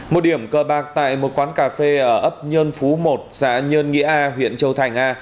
một điểm cờ bạc tại một quán cà phê ở ấp nhơn phú một xã nhơn nghĩa a huyện châu thành a